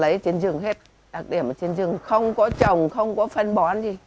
lấy trên rừng hết đặc điểm ở trên rừng không có trồng không có phân bón gì